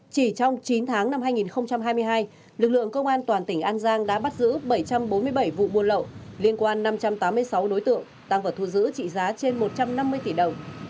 chỉ trong chín tháng năm hai nghìn hai mươi hai lực lượng công an toàn tỉnh an giang đã bắt giữ bảy trăm bốn mươi bảy vụ buôn lậu liên quan năm trăm tám mươi sáu đối tượng tăng vật thu giữ trị giá trên một trăm năm mươi tỷ đồng